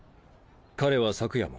彼は昨夜も？